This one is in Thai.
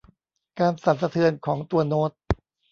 การสั่นสะเทือนของตัวโน้ต